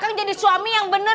kakak kan jadi suami yang bener